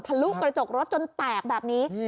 ลุกระจกรถจนแตกแบบนี้